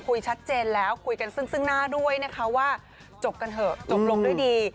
ชัดเจนแล้วคุยกันซึ่งหน้าด้วยนะคะว่าจบกันเถอะจบลงด้วยดี